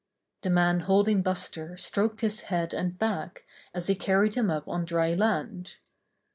The man holding Buster stroked his head and back, as he carried him up on dry land.